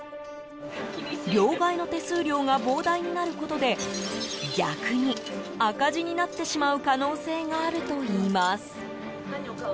両替の手数料が膨大になることで逆に、赤字になってしまう可能性があるといいます。